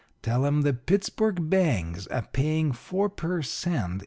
Tell 'em the Pittsburgh banks are paying four per cent.